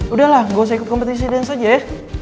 udahlah gak usah ikut kompetisi dance aja ya